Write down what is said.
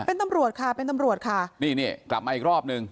เป็นตำรวจค่ะเป็นตำรวจค่ะนี่นี่กลับมาอีกรอบหนึ่ง